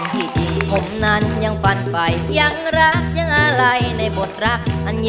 แผ่นไหนครับ